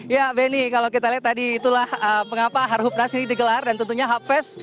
ya benny kalau kita lihat tadi itulah mengapa harhub nasri digelar dan tentunya hubfest